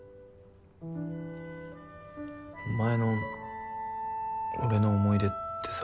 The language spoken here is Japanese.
お前の俺の思い出ってさ。